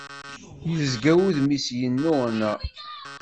Yezga wudem-is yennuɣna.